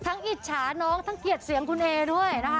อิจฉาน้องทั้งเกลียดเสียงคุณเอด้วยนะคะ